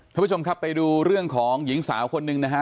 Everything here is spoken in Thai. ท่านผู้ชมครับไปดูเรื่องของหญิงสาวคนหนึ่งนะฮะ